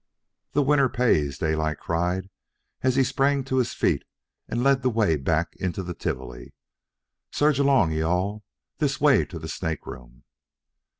"The winner pays!" Daylight cried; as he sprang to his feet and led the way back into the Tivoli. "Surge along you all! This way to the snake room!"